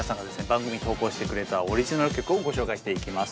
番組に投稿してくれたオリジナル曲をご紹介していきます。